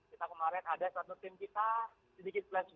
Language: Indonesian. kita kemarin ada satu tim kita sedikit pelan pelan